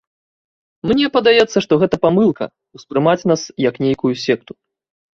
Мне падаецца, што гэта памылка, ўспрымаць нас як нейкую секту.